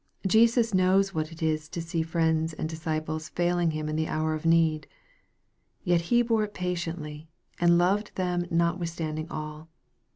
Jesus knows what it is to see friends and disciples failing Him in the hour of need. Yet He bore it patiently, and loved them not withstanding all.